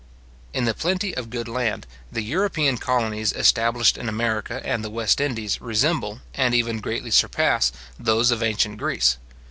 In the plenty of good land, the European colonies established in America and the West Indies resemble, and even greatly surpass, those of ancient Greece.